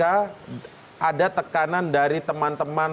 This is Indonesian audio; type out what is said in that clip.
ada tekanan dari teman teman